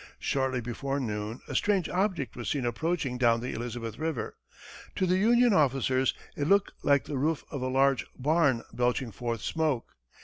Shortly before noon, a strange object was seen approaching down the Elizabeth river. To the Union officers, it looked like the roof of a large barn belching forth smoke.